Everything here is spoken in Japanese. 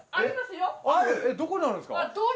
どこにあるんですか？